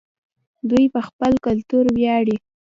دوی په خپل کلتور ویاړي.